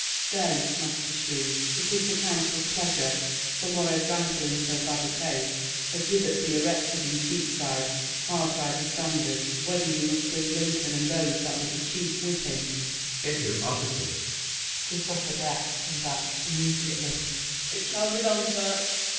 Stay, Master Shrieve; it is the council's pleasure, For more example in so bad a case, A gibbet be erected in Cheapside, Hard by the Standard; whether you must bring Lincoln and those that were the chief with him, [Enter Officers.] To suffer death, and that immediately. SHERIFF. It shall be done, sir.